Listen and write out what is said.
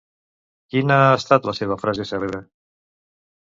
Quina ha estat la seva frase cèlebre?